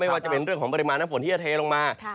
ว่าจะเป็นเรื่องของปริมาณน้ำฝนที่จะเทลงมา